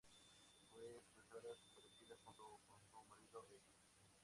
Fue secuestrada desaparecida junto con su marido e hija.